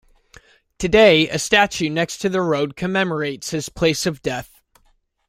Today, a statue next to the road commemorates his place of death.